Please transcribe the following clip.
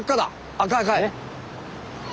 赤い赤い。